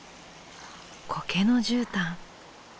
コケのじゅうたん。